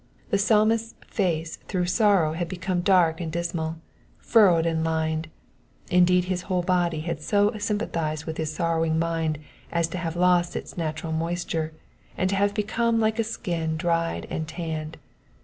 The Psalmist's face through sorrow had be come dark and dismal, furrowed and lined ; indeed, his whole body had so sympathized with his sorrowing mind as to have lost its natural moisture, and to have become like a skin dried and tanned.